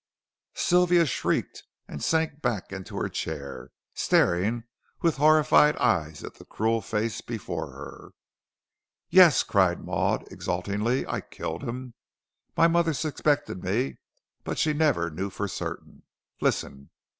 Sylvia shrieked, and sank back in her chair, staring with horrified eyes at the cruel face before her. "Yes," cried Maud, exultingly, "I killed him. My mother suspected me, but she never knew for certain. Listen.